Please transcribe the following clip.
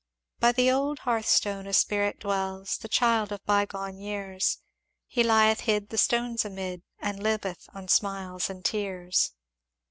"By the old hearthstone a Spirit dwells, The child of bygone years, He lieth hid the stones amid, And liveth on smiles and tears.